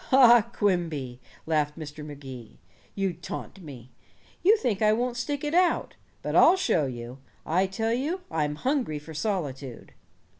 "Ah, Quimby," laughed Mr. Magee, "you taunt me. You think I won't stick it out. But I'll show you. I tell you, I'm hungry for solitude."